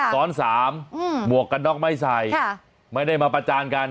ซ้อน๓หมวกกันน็อกไม่ใส่ไม่ได้มาประจานกัน